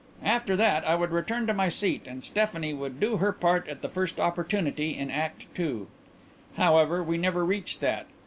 After that, I would return to my seat and Stephanie would do her part at the first opportunity in Act II. "However, we never reached that.